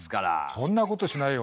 そんなことしないよ。